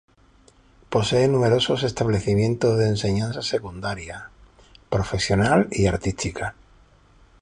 Posee numerosos establecimientos de enseñanza secundaria, profesional y artística.